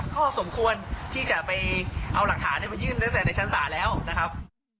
ก็สมควรที่จะไปเอาหลักฐานมายื่นตั้งแต่ในชั้นศาลแล้วนะครับ